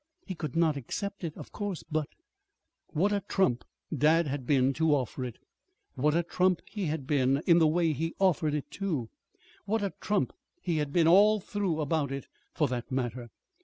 He could not accept it, of course, but What a trump dad had been to offer it! What a trump he had been in the way he offered it, too! What a trump he had been all through about it, for that matter.